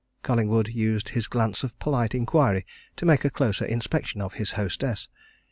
Collingwood used his glance of polite inquiry to make a closer inspection of his hostess.